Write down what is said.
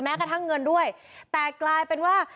กระทั่งเงินด้วยแต่กลายเป็นว่า